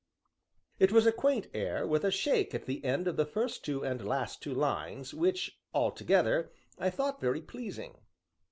'" It was a quaint air, with a shake at the end of the first two and last two lines, which, altogether, I thought very pleasing.